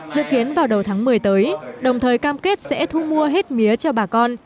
dự kiến vào đầu tháng một mươi tới đồng thời cam kết sẽ thu mua hết mía cho bà con